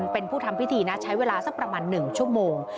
เป็นผู้ทำพิธีนะใช้เวลาสักประมาณ๑ชั่วโมง